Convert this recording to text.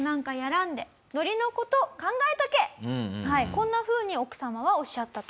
こんなふうに奥様はおっしゃったと。